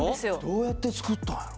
どうやって作ったんやろ？